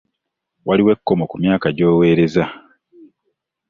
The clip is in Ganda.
Waliwo ekkomo ku myaka gy'oweereza.